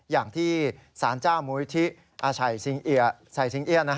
อย่างที่สารเจ้ามุยธิอาชัยสิงเอียน